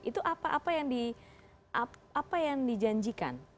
itu apa yang dijanjikan